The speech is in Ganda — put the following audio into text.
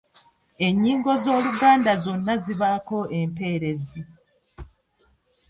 Ennyingo z’Oluganda zonna zibaako empeerezi.